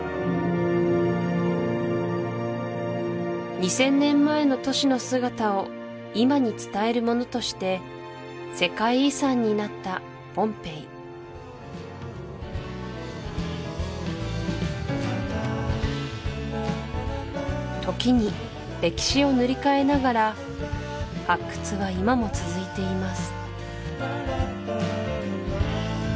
２０００年前の都市の姿を今に伝えるものとして世界遺産になったポンペイ時に歴史を塗り替えながら発掘は今も続いています